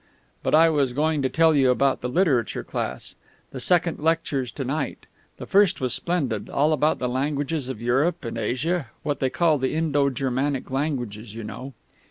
But I was going to tell you about the Literature Class. The second lecture's to night. The first was splendid, all about the languages of Europe and Asia what they call the Indo Germanic languages, you know.